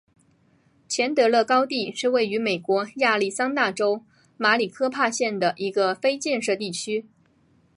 钱德勒高地是位于美国亚利桑那州马里科帕县的一个非建制地区。